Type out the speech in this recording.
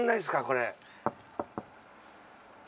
これ。